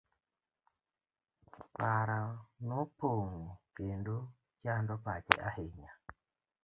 Paro nopong'o kendo chando pache ahinya.